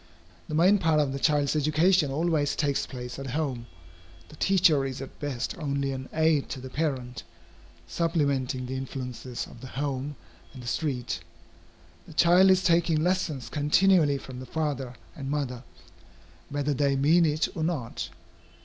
The main part of the child's education always takes place at home. The teacher is at best only an aid to the parent, supplementing the influences of the home and the street. The child is taking lessons continually from the father and mother, whether they mean it or not.